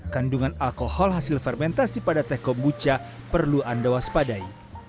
kandungan alkohol hasil fermentasi pada teh kombucha perlu anda waspadai